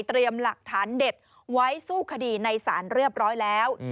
หลักฐานเด็ดไว้สู้คดีในศาลเรียบร้อยแล้ว